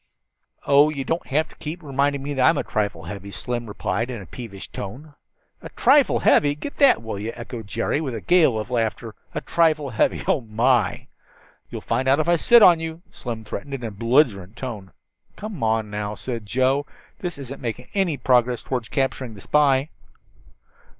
"Oh, you don't have to keep reminding me that I'm a trifle heavy," Slim replied in a peevish tone. "A trifle heavy! Get that, will you," echoed Jerry with a gale of laughter. "A trifle heavy! Oh, my!" "You'll find out if I sit on you," Slim threatened, in a belligerent tone. "Come now," said Joe, "this isn't making any progress toward capturing the spy."